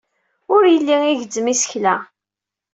Ur yelli igezzem isekla.